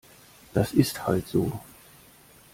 Das ist halt so.